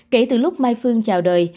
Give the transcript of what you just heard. kể từ lúc mai phương chào đời